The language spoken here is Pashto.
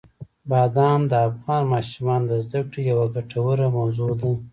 بادام د افغان ماشومانو د زده کړې یوه ګټوره موضوع ده.